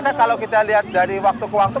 karena kalau kita lihat dari waktu ke waktu